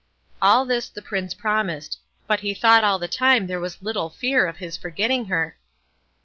All this the Prince promised; but he thought all the time there was little fear of his forgetting her.